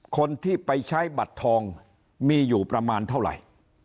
คนที่ไปใช้บัตรทองมีอยู่ประมาณเท่าไหร่